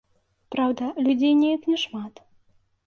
Праўда, людзей неяк няшмат.